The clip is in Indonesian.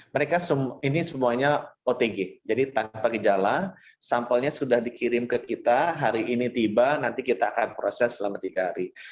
mereka ini semuanya otg jadi tanpa gejala sampelnya sudah dikirim ke kita hari ini tiba nanti kita akan proses selama tiga hari